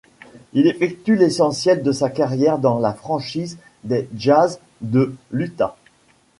Il effectue l'essentiel de sa carrière dans la franchise des Jazz de l'Utah.